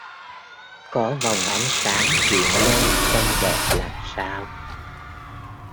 Có vòng ánh sáng hiện lên trông đẹp làm sao